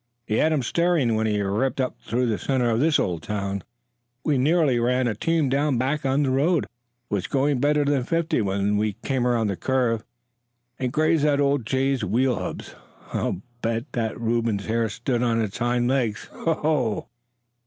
He had 'em staring when he ripped up through the center of this old town. We nearly ran a team down back on the road; was going better than fifty when we came round a curve and grazed the old jay's wheel hubs. I'll bet that Reuben's hair stood on its hind legs. Ho! ho! ho!"